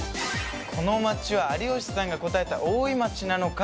この街は有吉さんが答えた大井町なのか？